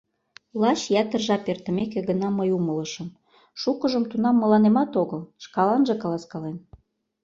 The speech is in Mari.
Лач ятыр жап эртымеке гына мый умылышым: шукыжым тунам мыланемат огыл, шкаланже каласкален.